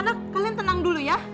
anak anak kalian tenang dulu ya